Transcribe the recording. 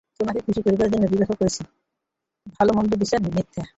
তোমাকে খুশি করিবার জন্য বিবাহ করিতেছি, ভালোমন্দ বিচার মিথ্যা।